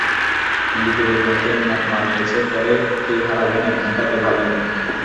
কিন্তু জটিল গণিতের ম্যারপ্যাঁচে পড়ে খেই হারাবেন এমনটা তো ভাবেননি।